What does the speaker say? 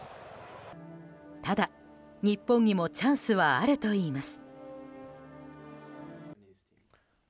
ただ、日本にもチャンスはあるといいます。